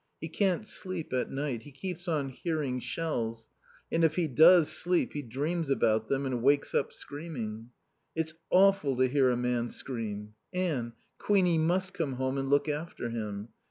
He can't sleep at night; he keeps on hearing shells; and if he does sleep he dreams about them and wakes up screaming. It's awful to hear a man scream. Anne, Queenie must come home and look after him.